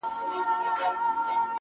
سیاه پوسي ده ـ ژوند تفسیرېږي ـ